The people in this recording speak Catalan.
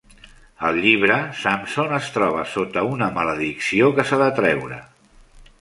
Al llibre, Samson es troba sota una maledicció que s'ha de treure.